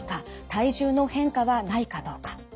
体重の変化はないかどうか。